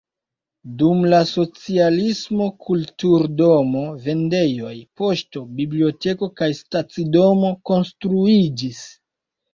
Dum la socialismo kulturdomo, vendejoj, poŝto, biblioteko kaj stacidomo konstruiĝis.